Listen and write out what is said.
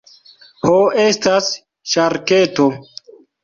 Ho estas ŝarketo.